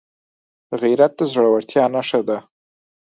غیرت د زړورتیا نښه ده